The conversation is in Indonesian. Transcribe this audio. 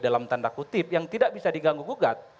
dalam tanda kutip yang tidak bisa diganggu gugat